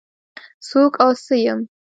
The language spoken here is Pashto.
څوک او څه يم؟